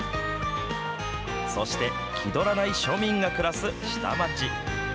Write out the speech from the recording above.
そして、気取らない庶民が暮らす下町。